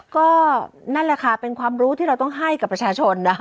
ก็นั่นแหละค่ะเป็นความรู้ที่เราต้องให้กับประชาชนนะคะ